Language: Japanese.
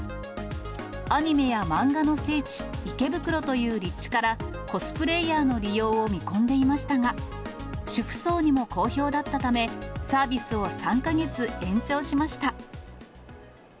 アニメや漫画の聖地、池袋という立地から、コスプレイヤーの利用を見込んでいましたが、主婦層にも好評だったため、サービスを３か月延長しました。